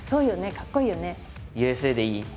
かっこいいよね。